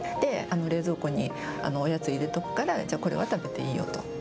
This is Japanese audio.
冷蔵庫におやつ入れておくから、じゃあこれは食べていいよと。